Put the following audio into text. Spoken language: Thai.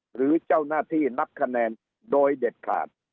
หรือเจ้าหน้าที่นับคะแนนโดยเด็ดขาด